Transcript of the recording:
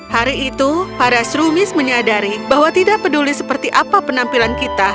hari itu para serumis menyadari bahwa tidak peduli seperti apa penampilan kita